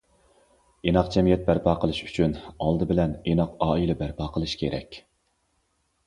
ئىناق جەمئىيەت بەرپا قىلىش ئۈچۈن ئالدى بىلەن ئىناق ئائىلە بەرپا قىلىش كېرەك.